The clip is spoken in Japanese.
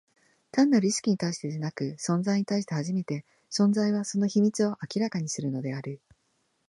単なる意識に対してでなく、存在に対して初めて、存在は、その秘密を明らかにするのである。